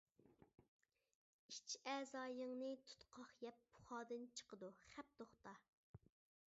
ئىچ ئەزايىڭنى تۇتقاق يەپ پۇخادىن چىقىدۇ، خەپ توختا.